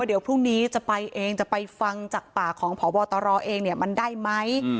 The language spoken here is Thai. เดี๋ยวพรุ่งนี้จะไปเองจะไปฟังจากปากของพบตรเองเนี่ยมันได้ไหม